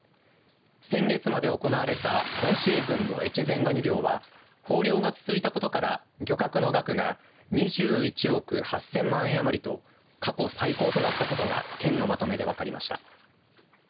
先月まで行われた今シーズンの越前がに漁は豊漁が続いたことから漁獲の額が２１億８０００万円余りと過去最高となったことが県のまとめで分かりました。